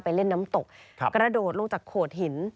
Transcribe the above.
เล่นน้ำตกกระโดดลงจากโขดหิน